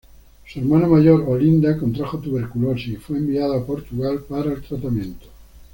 Su hermana mayor Olinda contrajo tuberculosis y fue enviada a Portugal para el tratamiento.